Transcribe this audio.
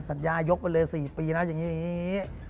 สัญญายกไปเลย๔ปีนะอย่างนี้อย่างนี้